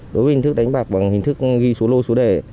đối với hình thức đánh bạc bằng hình thức ghi số lô số đề